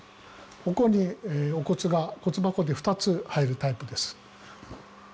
ここにお骨が骨箱で２つ入るタイプです。